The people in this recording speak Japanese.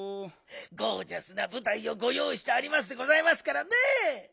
ゴージャスなぶたいをごよういしてありますでございますからね。